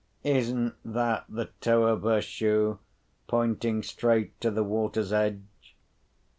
Isn't that the toe of her shoe pointing straight to the water's edge?